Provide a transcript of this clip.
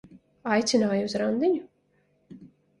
Aicināja uz randiņu?